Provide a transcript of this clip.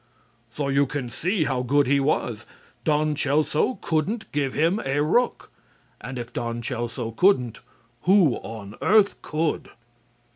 So you can see how good he was. Don Celso couldn't give him a rook. And if Don Celso couldn't, who on earth could?